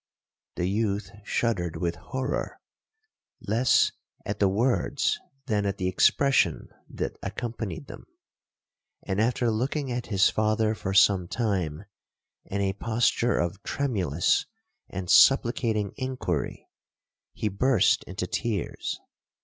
The youth shuddered with horror, less at the words than at the expression that accompanied them; and, after looking at his father for some time in a posture of tremulous and supplicating inquiry, he burst into tears.